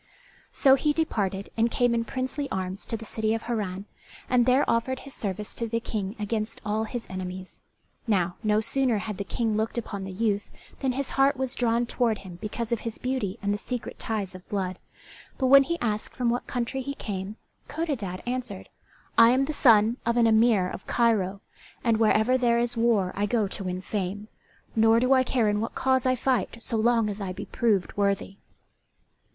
So he departed and came in princely arms to the city of Harran, and there offered his service to the King against all his enemies. Now, no sooner had the King looked upon the youth than his heart was drawn toward him because of his beauty and the secret ties of blood, but when he asked from what country he came, Codadad answered, "I am the son of an emir of Cairo, and wherever there is war I go to win fame, nor do I care in what cause I fight so long as I be proved worthy."